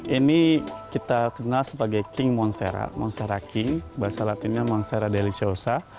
ini kita kenal sebagai king monstera monstera king bahasa latinnya monstera deliciosa